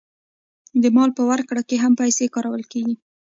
د مال په ورکړه کې هم پیسې کارول کېږي